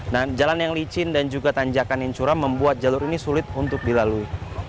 nah jalan yang licin dan juga tanjakan yang curam membuat jalur ini sulit untuk dilalui